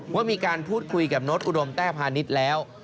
ว่ามีการพูดคุยกับโน้ตอุดมแต้พาณิชย์แล้ว